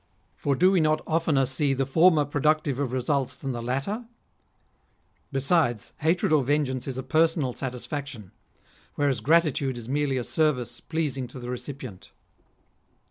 For do we not of tener see the former productive of results than the latter ? Besides, hatred or vengeance is a personal satisfaction; whereas gratitude is merely a service pleasing to the recipient."